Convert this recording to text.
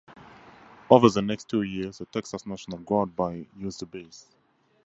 Over the next two years the Texas National Guard used the base.